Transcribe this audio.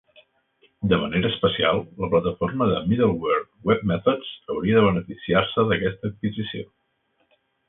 De manera especial, la plataforma de middleware WebMethods hauria de beneficiar-se d"aquesta adquisició.